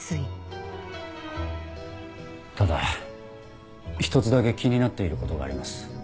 ただ１つだけ気になっていることがあります。